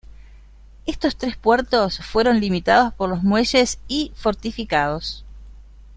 Estos tres puertos fueron limitados por los muelles y fortificados.